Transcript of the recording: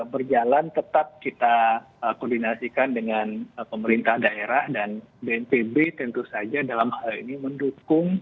berjalan tetap kita koordinasikan dengan pemerintah daerah dan bnpb tentu saja dalam hal ini mendukung